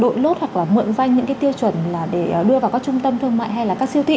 đội lốt hoặc là mượn danh những cái tiêu chuẩn là để đưa vào các trung tâm thương mại hay là các siêu thị